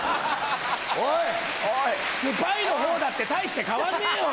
おいスパイのほうだって大して変わんねえよ。